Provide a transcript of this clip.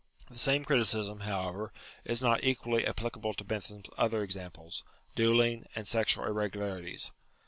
The same criticism, however, is not equally applicable to Bentham's other examples, duelling, and sexual irregularities.